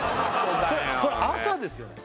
これ朝ですよね